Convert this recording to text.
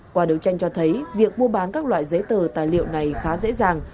qua đấu tranh cho thấy việc mua bán các loại giấy tờ tài liệu này khá dễ dàng